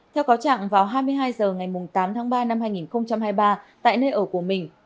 theo cáo trạng vào hai mươi hai h ngày tám tháng ba năm hai nghìn hai mươi ba tại nơi ở của mình